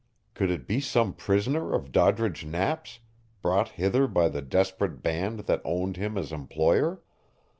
Could it be some prisoner of Doddridge Knapp's, brought hither by the desperate band that owned him as employer?